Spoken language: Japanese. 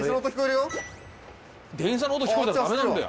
電車の音聞こえたらダメなんべや。